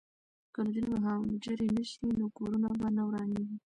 که نجونې مهاجرې نه شي نو کورونه به نه ورانیږي.